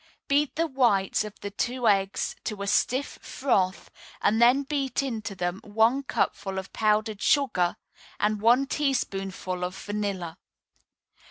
Beat the whites of the two eggs to a stiff froth, and then beat into them one cupful of powdered sugar and one teaspoonful of vanilla.